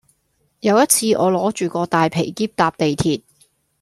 有一次我攞住個大皮喼搭地鐵